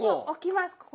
置きます